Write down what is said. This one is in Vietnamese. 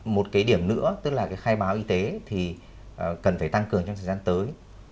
một cái điểm nữa tức là cái khai báo y tế thì cần phải tăng cường trong thời gian tới